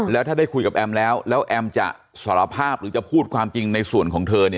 แล้วถ้าได้คุยกับแอมแล้วแล้วแอมจะสารภาพหรือจะพูดความจริงในส่วนของเธอ